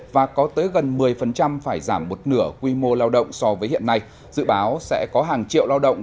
và có tới gần một mươi phải giảm một nửa quy mô lao động so với hiện nay dự báo sẽ có hàng triệu lao động